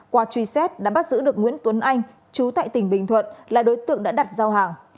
qua truy xét đã bắt giữ được nguyễn tuấn anh chú tại tỉnh bình thuận là đối tượng đã đặt giao hàng